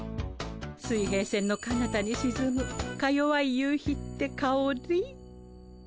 水平線のかなたにしずむかよわい夕日ってかおり？